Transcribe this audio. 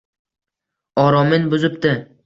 Oromin buzibdi.